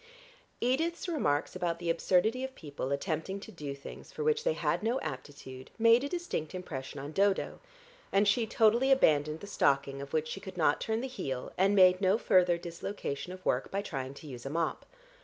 Edith's remarks about the absurdity of people attempting to do things for which they had no aptitude made a distinct impression on Dodo, and she totally abandoned the stocking of which she could not turn the heel, and made no further dislocation of work by trying to use a mop.